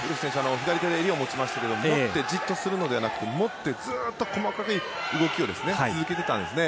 左手で襟を持ちましたけどじっとするのではなく持ってずっと細かく続けてたんですね。